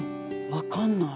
分かんない。